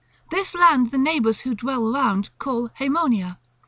This land the neighbours who dwell around call Haemonia.